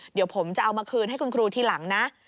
เดี๋ยวผมจะเอามาคืนให้คุณครูทีหลังนะ